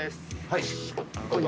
はい